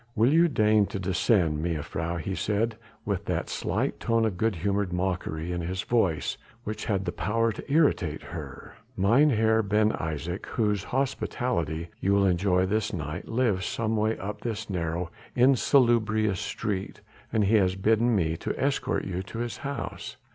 "Will you deign to descend, mejuffrouw," he said with that slight tone of good humoured mockery in his voice which had the power to irritate her. "Mynheer Ben Isaje, whose hospitality you will enjoy this night, lives some way up this narrow, insalubrious street, and he has bidden me to escort you to his house."